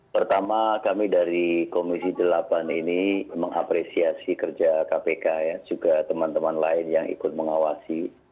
pertama kami dari komisi delapan ini mengapresiasi kerja kpk juga teman teman lain yang ikut mengawasi